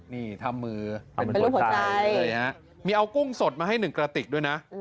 นี่ทำมือเป็นหัวใจเลยฮะมีเอากุ้งสดมาให้หนึ่งกระติกด้วยนะ